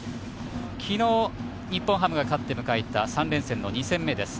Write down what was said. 昨日、日本ハムが勝って迎えた３連戦の２戦目です。